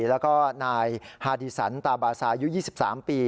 แล้วก็นายฮาดีสันตาบาซายุ๒๓ปี